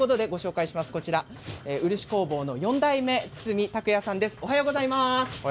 漆工房の４代目堤卓也さんです。